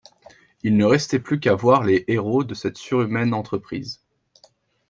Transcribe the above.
Il ne restait plus qu’à voir les héros de cette surhumaine entreprise.